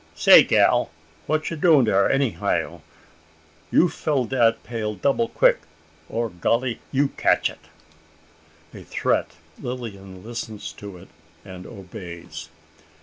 "Say, gal! wha you doin' dar, anyhow? You fill dat pail double quick, or, golly, you catch it!" A threat! Lilian listens to it, and obeys!